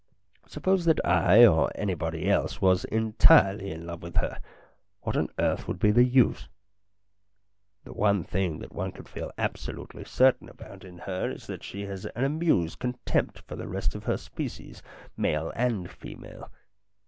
Suppose that I or anybody else was entirely in love with her, what on earth would be the use ? The one thing that one can feel absolutely certain about in her is that she has an amused contempt for the rest of her species, male and female.